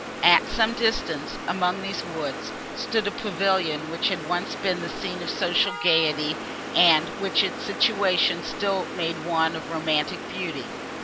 At some distance, among these woods, stood a pavilion, which had once been the scene of social gaiety, and which its situation still made one of romantic beauty.